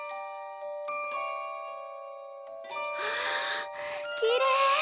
わあきれい。